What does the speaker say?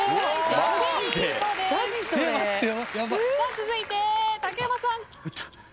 続いて竹山さん。